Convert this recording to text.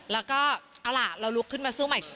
แล้วก็เอาล่ะเราลุกขึ้นมาสู้ใหม่